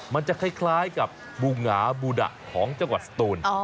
มันจะคล้ายกับบูหงาบูดะของจังหวัดสตูน